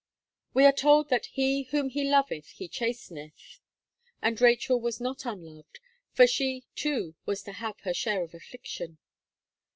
We are told that "he whom He loveth He chasteneth;" and Rachel was not unloved, for she, too, was to have her share of affliction.